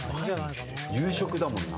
夕食だもんな。